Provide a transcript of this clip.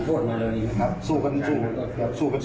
คุณภรรยาเกี่ยวกับข้าวอ่ะคุณภรรยาเกี่ยวกับข้าวอ่ะ